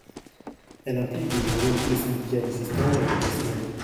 Elle implique de gérer tous les syndicats existants et les personnels.